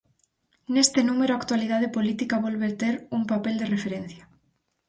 Neste número a actualidade política volve ter un papel de referencia.